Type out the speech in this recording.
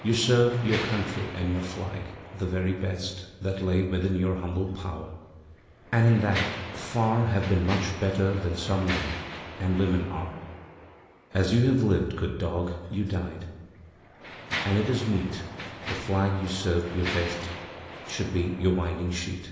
You served your country and your flag The very best That lay within your humble power, And in that far Have been much better than some men And women are. As you had lived, good dog, you died, And it is meet The flag you served your best should be Your winding sheet.